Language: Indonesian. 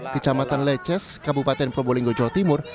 kecamatan leces kabupaten probolinggo jawa timur